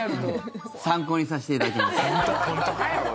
参考にさせていただきます。